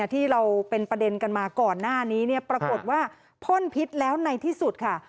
ที่เราเป็นประเด็นกันมาก่อนหน้านี้ปรากฏว่าพ่นพิษแล้วในที่สุดค่ะ